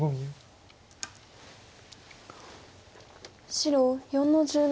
白４の十七。